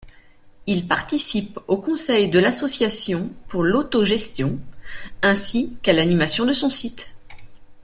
Il participe au conseil de l'association pour l'autogestion, ainsi qu'à l'animation de son site.